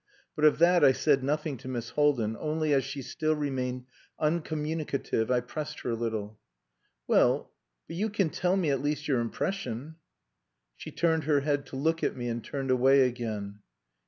But of that I said nothing to Miss Haldin, only as she still remained uncommunicative, I pressed her a little. "Well but you can tell me at least your impression." She turned her head to look at me, and turned away again.